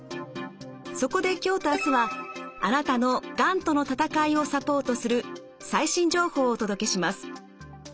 そこで今日と明日はあなたのがんとの闘いをサポートする最新情報をお届けします。